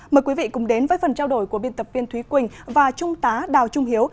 mời quý vị cùng đến với phần trao đổi của biên tập viên thúy quỳnh và trung tá đào trung hiếu